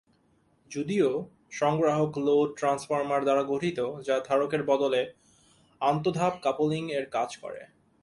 যদিও, সংগ্রাহক load transformer দ্বারা গঠিত যা ধারকের বদলে আন্ত-ধাপ কাপলিং-এর কাজ করে।